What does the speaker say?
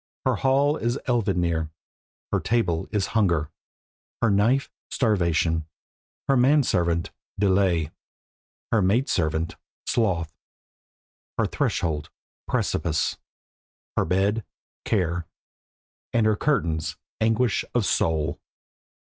Her hall is Elvidnir; her table is Hunger; her knife, Starvation; her man servant, Delay; her maid servant, Sloth; her threshold, Precipice; her bed, Care; and her curtains, Anguish of Soul.